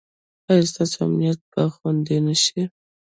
ایا ستاسو امنیت به خوندي نه شي؟